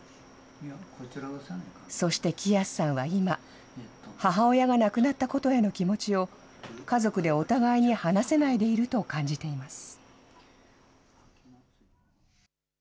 そして喜安さんは今、母親が亡くなったことへの気持ちを、家族でお互いに話せないでいると感じています。